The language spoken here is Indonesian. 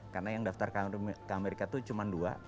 karena yang daftar ke amerika tuh cuma dua